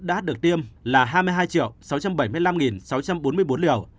đã được tiêm là hai mươi hai sáu trăm bảy mươi năm sáu trăm bốn mươi bốn liều